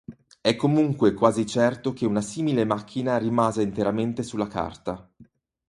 È comunque quasi certo che una simile macchina rimase interamente sulla carta.